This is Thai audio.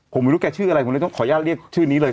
ผมไม่รู้แกชื่ออะไรผมเลยต้องขออนุญาตเรียกชื่อนี้เลย